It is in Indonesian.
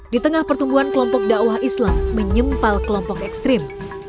di tengah pertumbuhan kelompok dakwah islam menyempal kelompok ekstrim